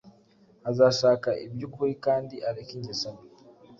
azashaka iby’ukuri kandi areke ingeso mbi